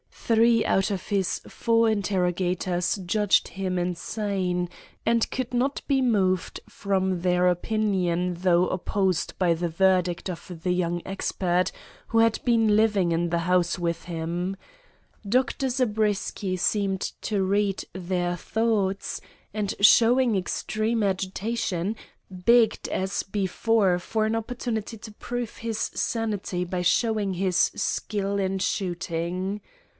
Three out of his four interrogators judged him insane, and could not be moved from their opinion though opposed by the verdict of the young expert who had been living in the house with him. Dr. Zabriskie seemed to read their thoughts, and, showing extreme agitation, begged as before for an opportunity to prove his sanity by showing his skill in shooting.